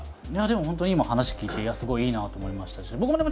でも本当に今話聞いてすごいいいなと思いましたし僕もね